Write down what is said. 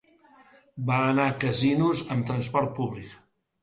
Va anar a Casinos amb transport públic.